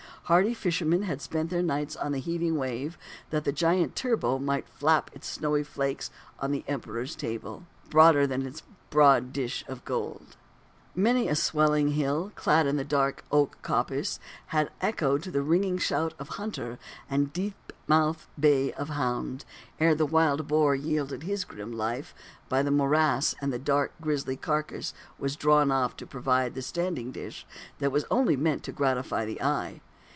Hardy fishermen had spent their nights on the heaving wave, that the giant turbot might flap its snowy flakes on the Emperor's table, broader than its broad dish of gold. Many a swelling hill, clad in the dark oak coppice, had echoed to ringing shout of hunter and deep mouthed bay of hound, ere the wild boar yielded his grim life, by the morass, and the dark grisly carcase was drawn off to provide a standing dish that was only meant to gratify the eye.